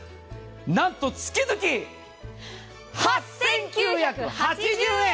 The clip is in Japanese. なんと月々８９８０円！